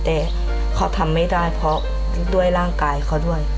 แต่เขาทำไม่ได้เพราะด้วยร่างกายเขาด้วย